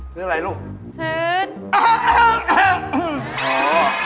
ซื้ออะไรลูกซื้อ